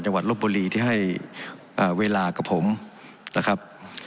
จังหวัดลบบลีที่ให้อ่าเวลากับผมนะครับ